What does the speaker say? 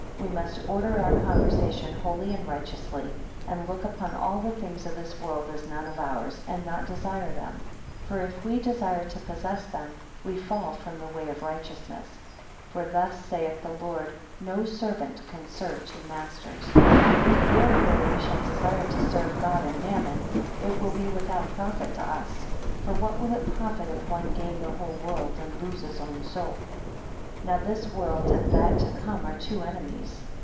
We must order our conversation, holy and righteously, and look upon all the things of this world as none of ours, and not desire them. For, if we desire to possess them we fall from the way of righteousness. 5 For thus saith the Lord, No servant can serve two masters. If therefore we shall desire to serve God and Mammon, it will be without profit to us. For what will it profit, if one gain the whole world, and lose his own soul? 6 Now this world and that to come are two enemies.